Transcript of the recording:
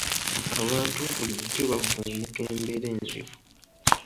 Abantu bulijjo bavvuunuka embeera enzibu.